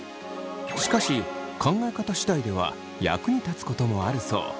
しかし考え方次第では役に立つこともあるそう。